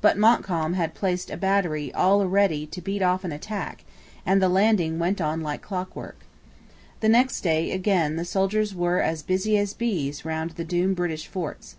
But Montcalm had placed a battery all ready to beat off an attack, and the landing went on like clock work. The next day, again, the soldiers were as busy as bees round the doomed British forts.